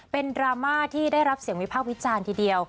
เป็นดราม่าที่ได้รับเสียงวิพากษ์วิจารณ์ทีเดียว